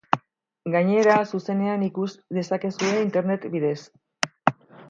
Gainera, zuzenean ikus dezakezue internet bidez.